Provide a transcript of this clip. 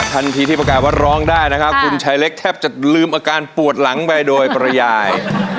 ทันทีที่ประกาศว่าร้องได้นะครับคุณชายเล็กแทบจะลืมอาการปวดหลังไปโดยประยาย